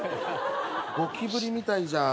ゴキブリみたいじゃん。